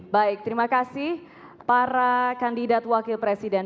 baik terima kasih para kandidat wakil presiden